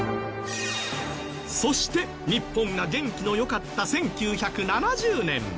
そして日本が元気のよかった１９７０年。